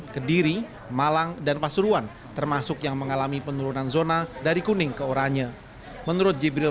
kediri malang dan pasuruan termasuk yang mengalami penurunan zona dari kuning ke oranye menurut jibril